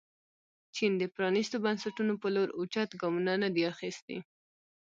چین د پرانیستو بنسټونو په لور اوچت ګامونه نه دي اخیستي.